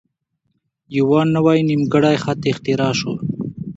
یوه نوی نیمګړی خط اختراع شو.